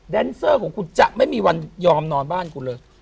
เซอร์ของคุณจะไม่มีวันยอมนอนบ้านคุณเลย